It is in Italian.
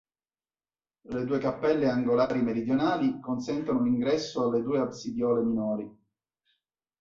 Le due cappelle angolari meridionali consentono l'ingresso alle due absidiole minori.